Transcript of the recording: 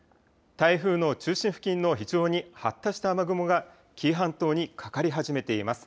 台風の中心付近の非常に発達した雨雲が、紀伊半島にかかり始めています。